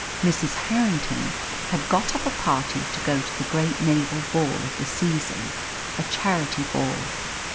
Mrs. Harrington had got up a party to go to the great naval ball of the season a charity ball.